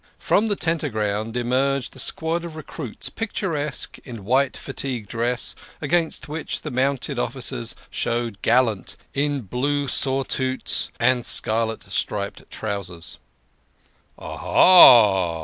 From the Tenterground emerged a squad of recruits, picturesque in white fatigue dress, against which the mounted officers showed gallant in blue surtouts and scarlet striped trousers. " Ah !